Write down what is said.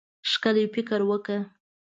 ښکلی فکر وکړه.